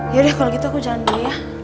yaudah kalau gitu aku jalan dulu ya